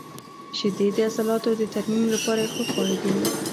• شیدې د عضلاتو د ترمیم لپاره یو ښه خواړه دي.